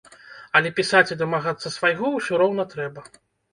Але пісаць і дамагацца свайго ўсё роўна трэба.